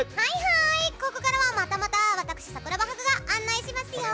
ここからはまたまた私、桜葉ハグが案内しますよ。